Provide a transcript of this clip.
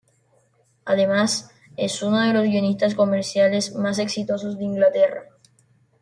Además, es uno de los guionistas comerciales más exitosos de Inglaterra.